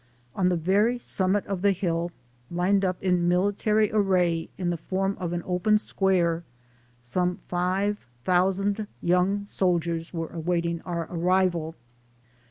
On the very summit of the hill, lined up in military array in the form of an open square, some five thousand young soldiers were awaiting our arrival.